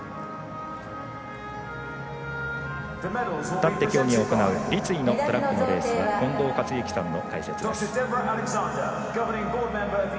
立って競技を行う立位のトラックのレースは近藤克之さんの解説です。